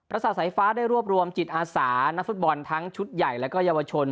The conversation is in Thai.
สาสายฟ้าได้รวบรวมจิตอาสานักฟุตบอลทั้งชุดใหญ่และก็เยาวชน